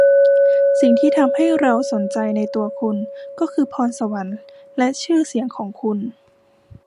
สิ่งที่ทำให้เราสนใจในตัวคุณก็คือพรสวรรค์และชื่อเสียงของคุณ